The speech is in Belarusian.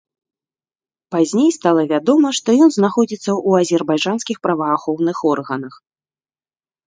Пазней стала вядома, што ён знаходзіцца ў азербайджанскіх праваахоўных органах.